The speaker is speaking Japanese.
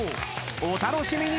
お楽しみに］